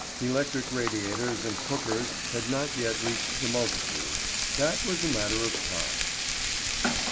Electric radiators and cookers had not yet reached the multitude; that was a matter of time.